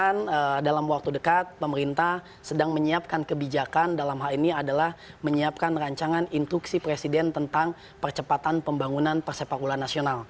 dan dalam waktu dekat pemerintah sedang menyiapkan kebijakan dalam hal ini adalah menyiapkan rancangan instruksi presiden tentang percepatan pembangunan persepak bola nasional